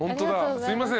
すいません。